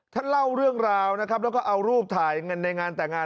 ท่านเล่าเรื่องราวนะครับแล้วก็เอารูปถ่ายเงินในงานแต่งงาน